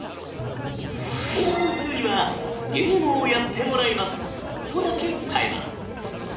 もう半数には「ゲームをやってもらいます」とだけ伝えます。